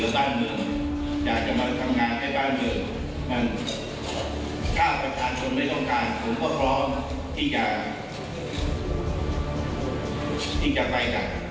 ผมก็พร้อมที่จะไปจากตำแหน่งนี้